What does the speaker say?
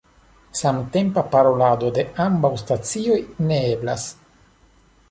Samtempa parolado de ambaŭ stacioj ne eblas.